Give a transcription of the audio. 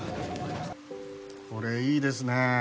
これいいですね。